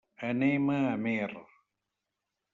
Anem a Amer.